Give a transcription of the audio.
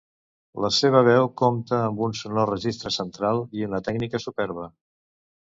La seva veu compta amb un sonor registre central i una tècnica superba.